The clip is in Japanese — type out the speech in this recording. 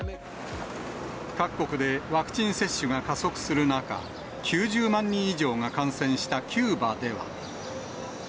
各国でワクチン接種が加速する中、９０万人以上が感染したキューバでは。